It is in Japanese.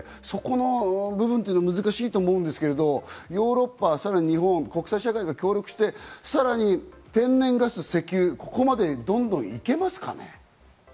そこの部分っていうの難しいと思うんですけど、ヨーロッパ、さらに日本、国際社会が協力してさらに天然ガス、石油、ここまでどんどん行けますかね？